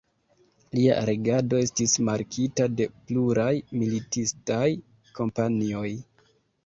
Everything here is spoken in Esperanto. Lia regado estis markita de pluraj militistaj kampanjoj.